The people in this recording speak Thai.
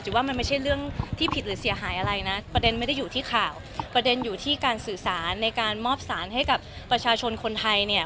ว่ามันไม่ใช่เรื่องที่ผิดหรือเสียหายอะไรนะประเด็นไม่ได้อยู่ที่ข่าวประเด็นอยู่ที่การสื่อสารในการมอบสารให้กับประชาชนคนไทยเนี่ย